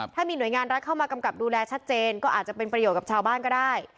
ถ้ามีหน่วยงานรัฐเข้ามากำกับดูแลชัดเจนก็อาจจะเป็นประโยชน์กับชาวบ้านก็ได้